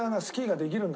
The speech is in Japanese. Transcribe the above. できるんだ？